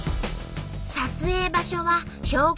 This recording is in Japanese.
撮影場所は標高